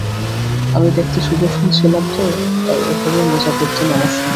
আমি দেখতে সুদর্শন ছিলাম তো, তাই ওভাবে মজা করতেন আমার সঙ্গে।